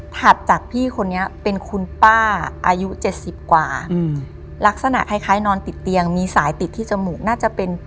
ถัดจากพี่คนนี้เป็นคุณป้าอายุเจ็ดสิบกว่าอืมลักษณะคล้ายนอนติดเตียงมีสายติดที่จมูกน่าจะเป็น